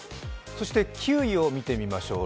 そして９位を見てみましょう。